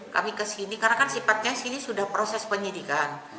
kami kesini karena kan sifatnya sini sudah proses penyidikan